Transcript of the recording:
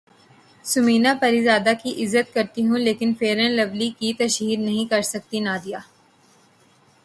ثمینہ پیرزادہ کی عزت کرتی ہوں لیکن فیئر اینڈ لولی کی تشہیر نہیں کرسکتی نادیہ